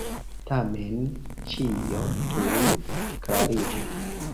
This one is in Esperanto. Tamen, ĉio tuj klariĝis.